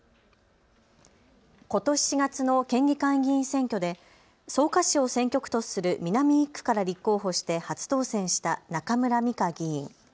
ことし４月の県議会議員選挙で草加市を選挙区とする南１区から立候補して初当選した中村美香議員。